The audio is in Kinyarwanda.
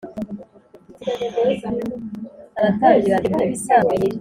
aratangira ati”nkibisanzwe nitwa tuyishime